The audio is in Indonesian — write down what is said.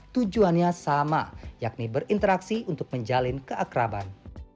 tujuannya sama yakni berinteraksi untuk menjalin keakraban